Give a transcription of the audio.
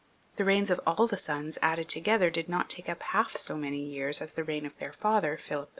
The reigns of all the sons added together did not take np half so many years as the reign of their father, Philip IV.